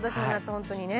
本当にね。